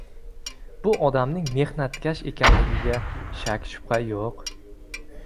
Bu odamning mehnatkash ekanligiga shak-shubha yoʻq.